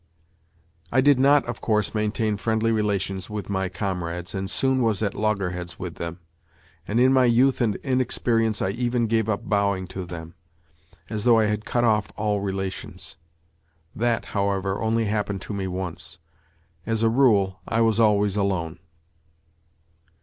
I did not, of course, maintain friendly relations with my comrades and soon was at loggerheads with them, and in my youth and inexperience I even gave up bowing to them, as though I had cut off all relations. That, however, only happened to me once. As a rule, I was always alone.